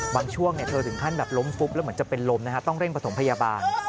ช่วงเธอถึงขั้นแบบล้มฟุบแล้วเหมือนจะเป็นลมนะฮะต้องเร่งประถมพยาบาล